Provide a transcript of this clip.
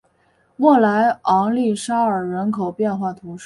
莫莱昂利沙尔人口变化图示